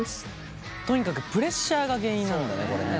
とにかくプレッシャーが原因なんだねこれね。